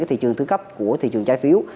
thị trường thứ cấp của thị trường trái phiếu